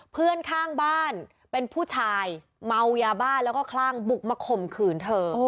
เพื่อนข้างบ้านเป็นผู้ชายเมายาบ้าแล้วก็คลั่งบุกมาข่มขืนเธอ